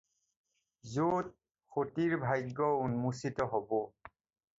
য'ত সতীৰ ভাগ্য উন্মোচিত হ'ব।